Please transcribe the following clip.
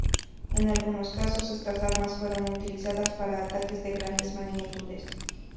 En algunos casos, estas armas fueron utilizadas para ataques de grandes magnitudes.